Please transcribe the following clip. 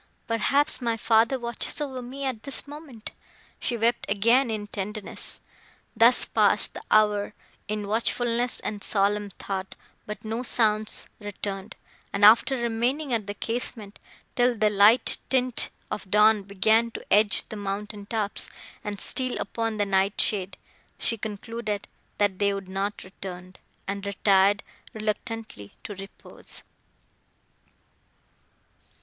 Perhaps, my father watches over me, at this moment!" She wept again in tenderness. Thus passed the hour in watchfulness and solemn thought; but no sounds returned; and, after remaining at the casement, till the light tint of dawn began to edge the mountain tops and steal upon the night shade, she concluded, that they would not return, and retired reluctantly to repose.